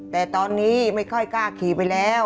แต่ตอนนี้ไม่ค่อยกล้าขี่ไปแล้ว